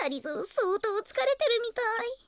そうとうつかれてるみたい。